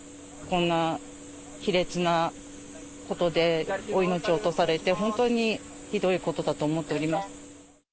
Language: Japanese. こんな卑劣なことでお命を落とされて、本当にひどいことだと思っております。